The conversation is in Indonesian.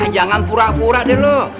jangan pura pura deh lu